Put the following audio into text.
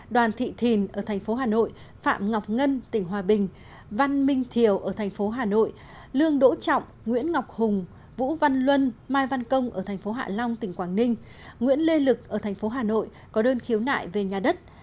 đoàn thị thìn ở thành phố hà nội phạm ngọc ngân tỉnh hòa bình văn minh thiều ở thành phố hà nội lương đỗ trọng nguyễn ngọc hùng vũ văn luân mai văn công ở thành phố hạ long tỉnh quảng ninh nguyễn lê lực ở thành phố hà nội có đơn khiếu nại về nhà đất